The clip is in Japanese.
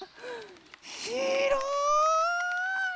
ひろい！